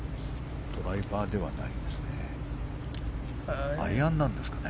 ドライバーではないですね。